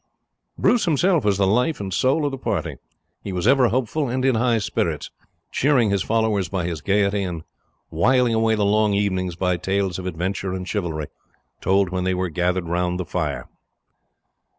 Bruce himself was the life and soul of the party. He was ever hopeful and in high spirits, cheering his followers by his gaiety, and wiling away the long evenings by tales of adventure and chivalry, told when they were gathered round the fire.